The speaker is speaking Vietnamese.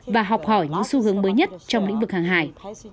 và học hỏi những xu hướng mới nhất trong lĩnh vực hàng hải